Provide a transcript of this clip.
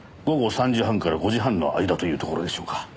午後３時半から５時半の間というところでしょうか。